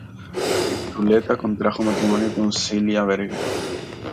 Zuleta contrajo matrimonio con Cilia Vergel.